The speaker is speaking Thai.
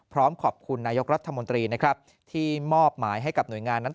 พร้อมขอบคุณนายกรัฐมนตรีนะครับที่มอบหมายให้กับหน่วยงานนั้น